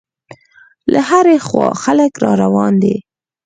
له هرې خوا خلک را روان دي.